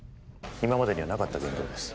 今までにはなかった言動です